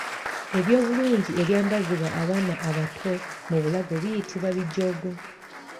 Eby’obulungi ebyambazibwa abaana abato mu bulago biyitibwa bijogo.